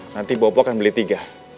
nanti bapak akan beli tiga